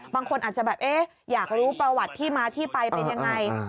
บางคนอาจจะแบบเอ๊ะอยากรู้ประวัติที่มาที่ไปเป็นยังไง